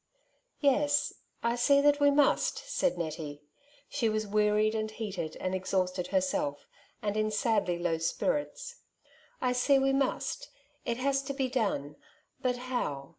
^' Yes, I see that we must,'' said Nettie. She was wearied, and heated, and exhausted herself, and in sadly low spirits, ^^ I see we must \ it has to be done, but how